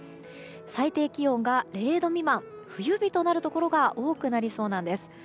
最低気温が０度未満冬日となるところが多くなりそうなんです。